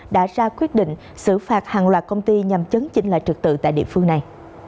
đã ra quyết định xử phạt hàng loạt công ty nhằm chấn chỉnh lại trực tự tại địa phương này